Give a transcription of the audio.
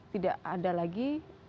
tidak ada lagi